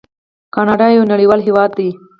کاناډا یو نړیوال هیواد دی.